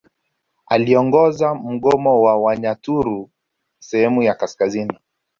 Aliongoza mgomo wa Wanyaturu sehemu ya kaskazini